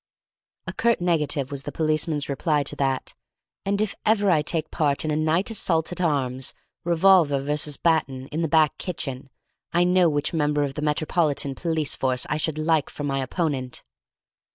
A curt negative was the policeman's reply to that; and if ever I take part in a night assault at arms, revolver versus baton, in the back kitchen, I know which member of the Metropolitan Police Force I should like for my opponent.